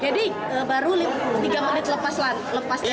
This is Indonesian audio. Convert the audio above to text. jadi baru tiga menit lepas dari pelabuhan